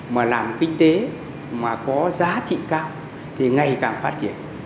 mà làm kinh tế mà có giá trị cao thì ngày càng phát triển